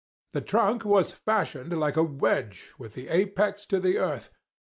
The trunk was fashioned like a wedge with the apex to the earth.